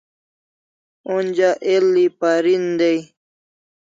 Onja el'i parin dai